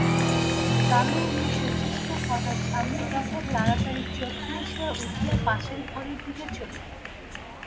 দামিনী শচীশকে হঠাৎ সামনে দেখিয়া তাড়াতাড়ি চোখ মুছিয়া উঠিয়া পাশের ঘরের দিকে চলিল।